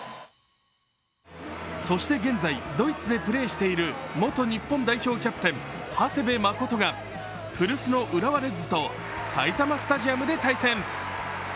そして現在ドイツでプレーしている元日本代表キャプテン長谷部誠が古巣の浦和レッズと埼玉スタジアムで対戦。